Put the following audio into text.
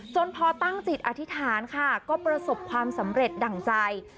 พอตั้งจิตอธิษฐานค่ะก็ประสบความสำเร็จดั่งใจ